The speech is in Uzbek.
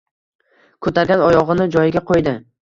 Ko‘targan oyog‘ini joyiga qo‘ydi.